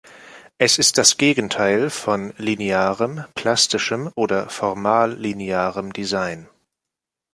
Es ist das Gegenteil von linearem, plastischem oder formal linearem Design.